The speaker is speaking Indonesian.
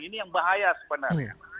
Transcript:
ini yang bahaya sebenarnya